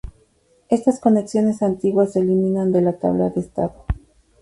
Estas conexiones antiguas se eliminan de la tabla de estado.